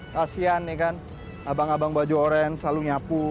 kasian nih kan abang abang baju orange selalu nyapu